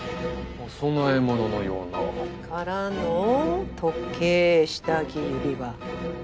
お供え物のような。からの時計下着指輪。